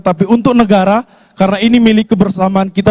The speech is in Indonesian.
tapi untuk negara karena ini milik kebersamaan kita